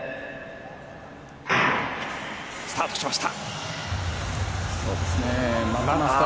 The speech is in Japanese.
スタートしました。